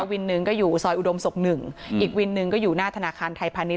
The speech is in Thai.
วินหนึ่งก็อยู่ซอยอุดมศุกร์หนึ่งอีกวินหนึ่งก็อยู่หน้าธนาคารไทยพาณิช